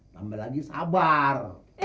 tambah lagi sabar